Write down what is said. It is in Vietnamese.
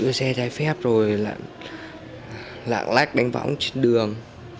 đưa xe thay phép rồi là lạng lách đánh võng trên đường